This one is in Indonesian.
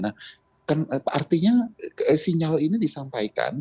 artinya sinyal ini disampaikan